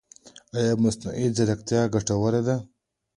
ایا مصنوعي ځیرکتیا ګټوره ده؟